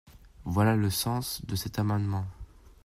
Voilà le sens de cet amendement.